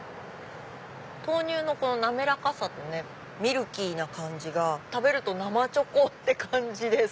豆乳の滑らかさとミルキーな感じが食べると生チョコって感じです。